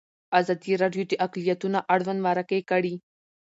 ازادي راډیو د اقلیتونه اړوند مرکې کړي.